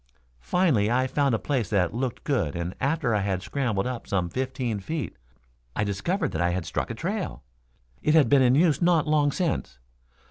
Finally, I found a place that looked good and after I had scrambled up some fifteen feet I discovered that I had struck a trail. It had been in use not long since.